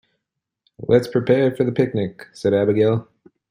"Let's prepare for the picnic!", said Abigail.